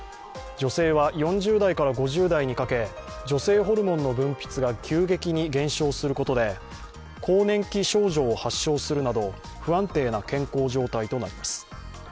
女性は４０代から５０代にかけ女性ホルモンの分泌が急激に減少することで更年期症状を発症するなど不安定な健康状態となります。